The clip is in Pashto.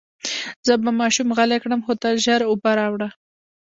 زه به ماشوم غلی کړم، خو ته ژر اوبه راوړه.